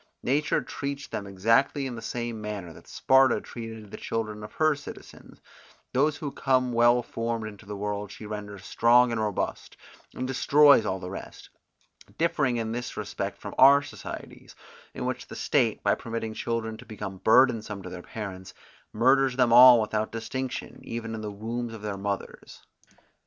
Nature treats them exactly in the same manner that Sparta treated the children of her citizens; those who come well formed into the world she renders strong and robust, and destroys all the rest; differing in this respect from our societies, in which the state, by permitting children to become burdensome to their parents, murders them all without distinction, even in the wombs of their mothers.